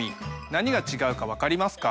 何が違うか分かりますか？